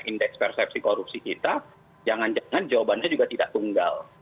indeks persepsi korupsi kita jangan jangan jawabannya juga tidak tunggal